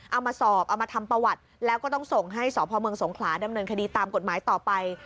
เอามาสอบเอามาทำประวัติแล้วก็ต้องส่งให้สพเมืองสงขลาดำเนินคดีตามกฎหมายต่อไป